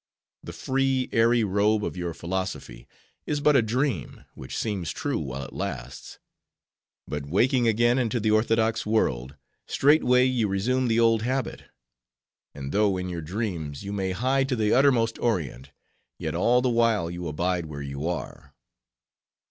The free, airy robe of your philosophy is but a dream, which seems true while it lasts; but waking again into the orthodox world, straightway you resume the old habit. And though in your dreams you may hie to the uttermost Orient, yet all the while you abide where you are.